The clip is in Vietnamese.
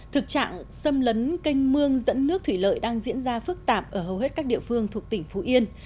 thực trạng xâm lấn canh mương dẫn nước thủy lợi đang diễn ra phức tạp ở hầu hết các địa phương thuộc tỉnh phú yên